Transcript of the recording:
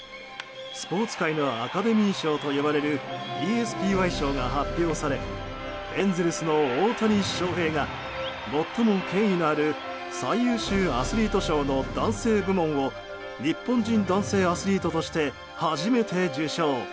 スポーツ界のアカデミー賞と呼ばれるＥＳＰＹ賞が発表されエンゼルスの大谷翔平が最も権威のある最優秀アスリート賞の男性部門を日本人男性アスリートとして初めて受賞。